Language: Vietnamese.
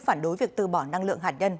phản đối việc từ bỏ năng lượng hạt nhân